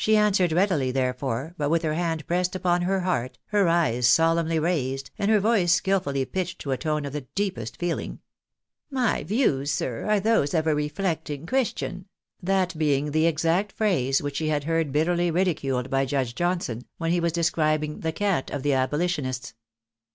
answered readily, therefore, but with her hand pressed upon her heart, her eyes solemnly raised, and her voice skilfully pitched to a tone of the deepest feeling —" My views, sir, are those of a reflecting Christian," that being the exact phrase which she had heard bitterly ridiculed by Judge Johnson, when he was describing the " cant of the abolitionists."